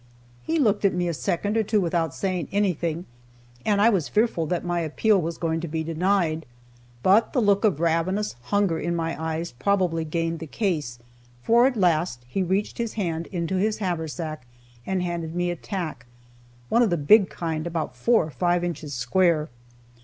He looked at me a second or two without saying anything, and I was fearful that my appeal was going to be denied. But the look of ravenous hunger in my eyes probably gained the case, for at last he reached his hand into his haversack and handed me a tack, one of the big kind about four or five inches square.